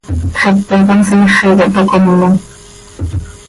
Xepe com siixi ca toc comom.